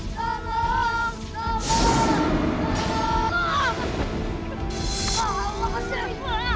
jangan men bukul bukul